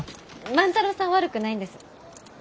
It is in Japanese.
万太郎さんは悪くないんです。